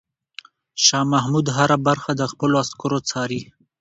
شاه محمود هره برخه د خپلو عسکرو څاري.